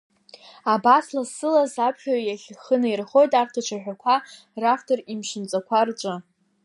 Абас лассы-ласс аԥхьаҩ иахь ихы наирхоит арҭ ацәаҳәақәа равтор имшынҵақәа рҿы.